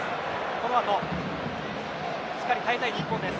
このあとしっかりと耐えていきたい日本です。